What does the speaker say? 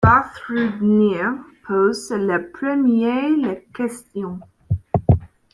Vafþrúðnir pose le premier les questions.